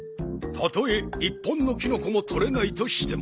たとえ１本のキノコもとれないとしても。